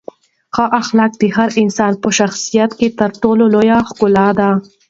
ښه اخلاق د هر انسان په شخصیت کې تر ټولو لویه ښکلا ده.